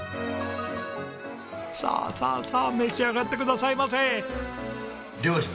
さあさあさあ召し上がってくださいませ！